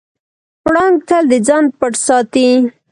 پړانګ تل د ځان پټ ساتي.